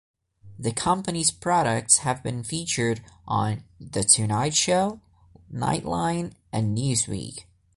The company's products have been featured on "The Tonight Show", "Nightline" and "Newsweek".